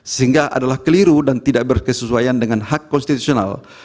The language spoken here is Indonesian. sehingga adalah keliru dan tidak berkesesuaian dengan hak konstitusional